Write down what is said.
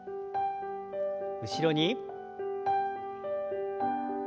後ろに。